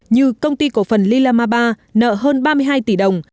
như công ty cổ phần lilamaba nợ hơn ba mươi hai tỷ đồng